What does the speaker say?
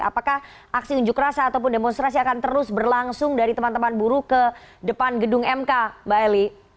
apakah aksi unjuk rasa ataupun demonstrasi akan terus berlangsung dari teman teman buruh ke depan gedung mk mbak eli